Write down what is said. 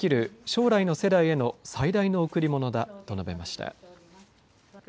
将来の世代への最大の贈り物だと述べました。